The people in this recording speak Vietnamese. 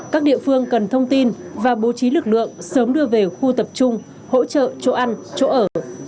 các địa phương cần thông tin và bố trí lực lượng sớm đưa về khu tập trung hỗ trợ chỗ ăn chỗ ở